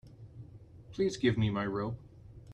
Please give me my robe.